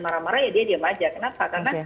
marah marah ya dia diem aja kenapa karena